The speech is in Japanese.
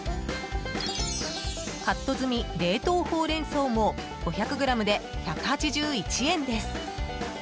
カット済み冷凍ほうれん草も５００ｇで１８１円です。